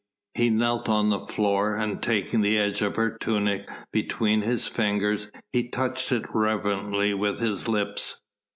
He knelt on the floor, and taking the edge of her tunic between his fingers he touched it reverently with his lips.